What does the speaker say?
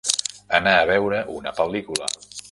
Anar a veure una pel·lícula.